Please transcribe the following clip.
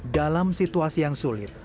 dalam situasi yang sulit